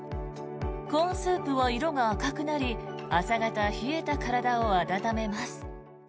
コーンスープは色が赤くなり朝方冷えた体を温めます。